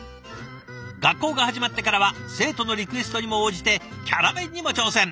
学校が始まってからは生徒のリクエストにも応じてキャラ弁にも挑戦。